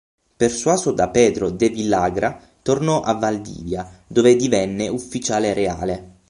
Persuaso da Pedro de Villagra, tornò a Valdivia dove divenne ufficiale Reale.